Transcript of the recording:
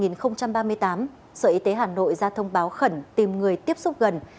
năm một nghìn chín trăm ba mươi tám sở y tế hà nội ra thông báo khẩn tìm người tiếp xúc gần